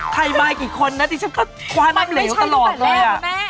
ใครมายกี่คนน่ะที่ฉันก็ความอำเหลวตลอดเลย